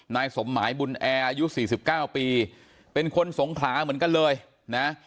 นายสมหมายบุญแอร์อายุ๔๙ปีเป็นคนสงขลาเหมือนกันเลยนะ